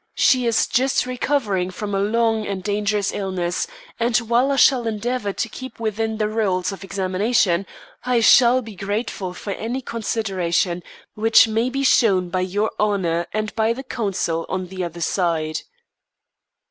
She is just recovering from a long and dangerous illness; and while I shall endeavour to keep within the rules of examination, I shall be grateful for any consideration which may be shown her by your Honour and by the counsel on the other side."